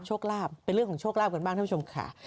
โชคลาภเป็นเรื่องของโชคลาภกันบ้างท่านผู้ชมค่ะ